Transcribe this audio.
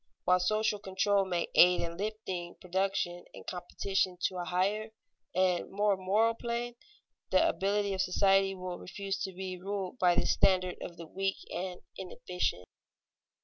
While social control may aid in lifting production and competition to a higher and more moral plane, the ability of society will refuse to be ruled by the standards of the weak and inefficient.